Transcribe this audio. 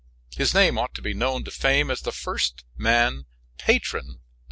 His name ought to be known to fame as the first man patron of the telegraph.